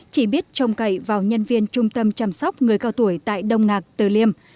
chỉ biết trông cậy vào nhân viên trung tâm chăm sóc người cao tuổi tại đông ngạc từ liêm